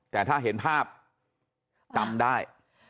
แต่ถ้าเห็นภาพจำได้